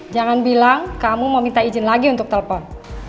jangan bilang kamu mau minta izin lagi untuk telpon